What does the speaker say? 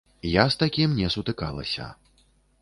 Я з такім не сутыкалася.